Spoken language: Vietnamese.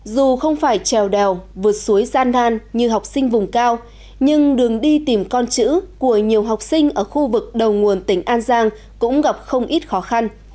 dù không phải trèo đèo vượt suối gian nan như học sinh vùng cao nhưng đường đi tìm con chữ của nhiều học sinh ở khu vực đầu nguồn tỉnh an giang cũng gặp không ít khó khăn